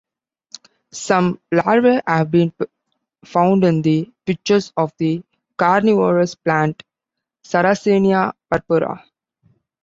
Some larvae have been found in the pitchers of the carnivorous plant "Sarracenia purpurea".